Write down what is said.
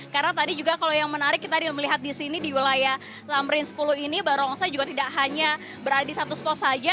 karena tadi juga kalau yang menarik kita melihat di sini di wilayah tamrin sepuluh ini barongsai juga tidak hanya berada di satu spot saja